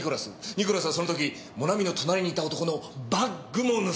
ニコラスはその時もなみの隣にいた男のバッグも盗んでいた。